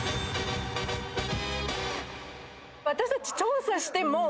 私たち調査しても。